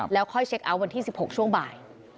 แล้วค่อยเช็คเอาท์วันที่๑๖ช่วงบ่าย